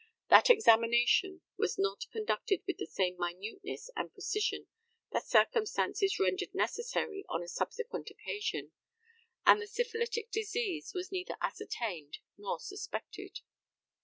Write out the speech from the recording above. That examination was not conducted with the same minuteness and precision that circumstances rendered necessary on a subsequent occasion, and the syphilitic disease was neither ascertained nor suspected.